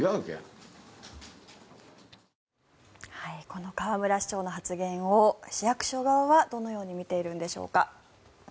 この河村市長の発言を市役所側はどのように見ているんでしょうか。